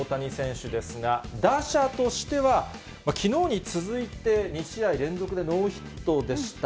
改めてきょうの大谷選手ですが、打者としては、きのうに続いて、２試合連続でノーヒットでした。